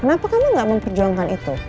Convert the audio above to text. kenapa kamu gak memperjuangkan itu